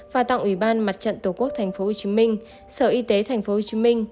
và tặng ủy ban mặt trận tổ quốc tp hcm sở y tế tp hcm